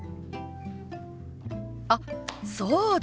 あっそうだ！